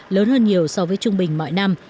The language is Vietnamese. lớn hơn nhiều so với trung bình mọi năm